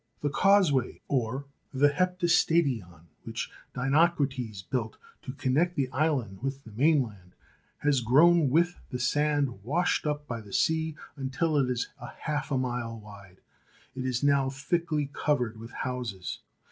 The cause way, or the Heptastadion which Dinocrates built to connect the island with the mainland, has grown with the sand washed up by the sea until it is half a mile wide. It is now thickly covered with houses.